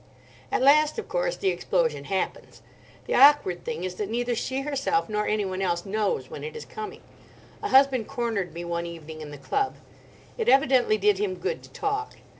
At last, of course, the explosion happens. The awkward thing is that neither she herself nor anyone else knows when it is coming. A husband cornered me one evening in the club. It evidently did him good to talk.